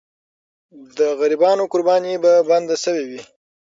د غریبانو قرباني به بنده سوې وي.